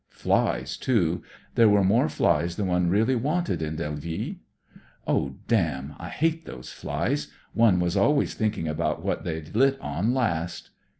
Mies, too; there were more flies than one really wanted in DelviUe." "Oh, damn! I hate those flies. One was always thinking about what they'd lit on last."